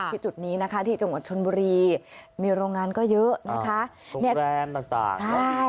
ที่จุดนี้นะคะที่จังหวัดชนบุรีมีโรงงงานก็เยอะชุมแบรนด์ต่างสอร์ต